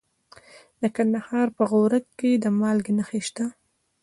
د کندهار په غورک کې د مالګې نښې شته.